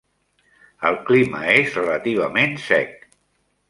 El clima és relativament sec.